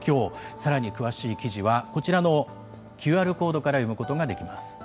さらに詳しい記事はこちらのＱＲコードから読むことができます。